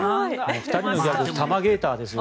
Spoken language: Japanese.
２人のギャグにたまゲーターですよ。